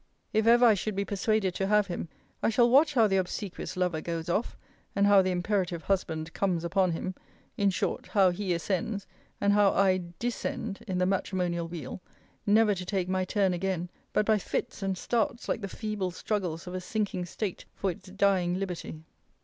If ever I should be persuaded to have him, I shall watch how the obsequious lover goes off; and how the imperative husband comes upon him; in short, how he ascends, and how I descend, in the matrimonial wheel, never to take my turn again, but by fits and starts like the feeble struggles of a sinking state for its dying liberty.